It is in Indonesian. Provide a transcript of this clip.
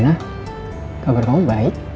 rena kabar kamu baik